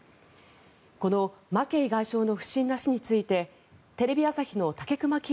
このマケイ外相の不審な死についてテレビ朝日の武隈喜